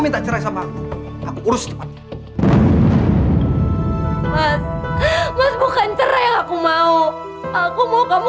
kenapa dia terus terus menerasaku